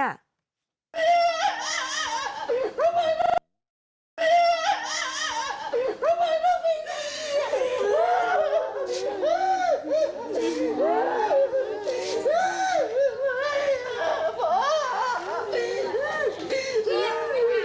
ฮือฮือฮือฮือฮือ